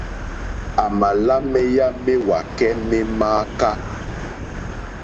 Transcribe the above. À mà lá méyá méwàkɛ́ mé mááká.